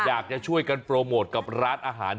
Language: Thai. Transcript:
อยากจะช่วยกันโปรโมทกับร้านอาหาร